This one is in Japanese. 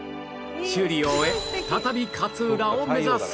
修理を終え再び勝浦を目指す